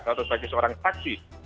atau sebagai seorang saksi